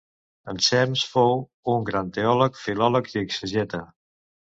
Ensems fou un gran teòleg, filòleg i exegeta.